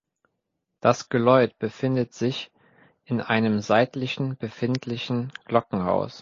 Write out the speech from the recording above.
Das Geläut befindet sich in einem seitlichen befindlichen Glockenhaus.